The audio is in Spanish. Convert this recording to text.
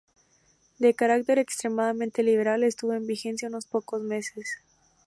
De carácter extremadamente liberal, estuvo en vigencia unos pocos meses.